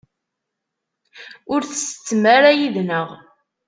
Ur tsettem ara yid-nneɣ?